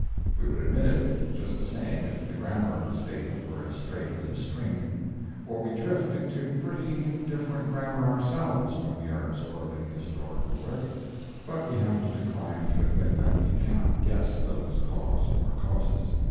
We would admit it just the same if the grammar of the statement were as straight as a string, for we drift into pretty indifferent grammar ourselves when we are absorbed in historical work; but we have to decline to admit that we cannot guess those cause or causes.